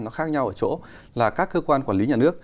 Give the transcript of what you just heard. nó khác nhau ở chỗ là các cơ quan quản lý nhà nước